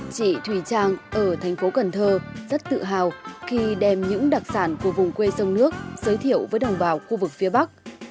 chị thùy trang ở thành phố cần thơ rất tự hào khi đem những đặc sản của vùng quê sông nước giới thiệu với đồng bào khu vực phía bắc